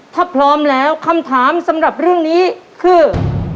ถ้าพร้อมแล้วคำถามสำหรับเรื่องนี้คือ